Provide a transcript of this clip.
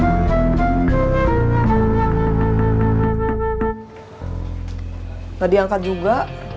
nggak diangkat juga